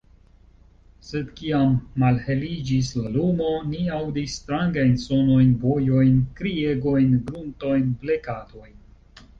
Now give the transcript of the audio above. Sed kiam malheliĝis la lumo, ni aŭdis strangajn sonojn, bojojn, kriegojn, gruntojn, blekadojn.